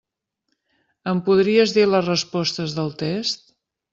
Em podries dir les respostes del test?